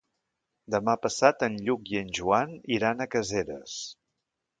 Demà passat en Lluc i en Joan iran a Caseres.